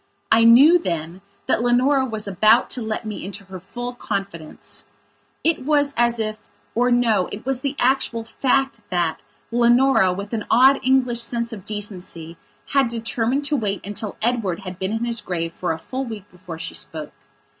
I knew then that Leonora was about to let me into her full confidence. It was as ifor no, it was the actual fact thatLeonora with an odd English sense of decency had determined to wait until Edward had been in his grave for a full week before she spoke.